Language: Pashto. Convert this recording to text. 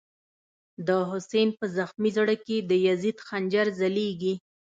دحسین” په زخمی زړه کی، دیزید خنجر ځلیږی”